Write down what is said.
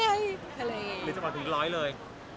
หรือจะถึง๑๐๐เลย